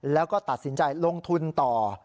แล้วก็ตัดสินใจลงทุนต่อ